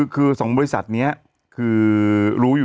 ขอบพระคุณครับ